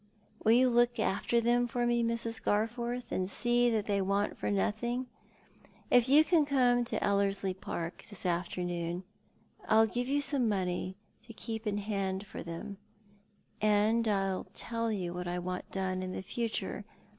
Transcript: "Will you look after them for me, Mrs. Garforth, and see that they want for nothing ? If you can come to Ellerslie Park this afternoon I'll give you some money to keep in hand for them, and I'll tell you what I want done in the future.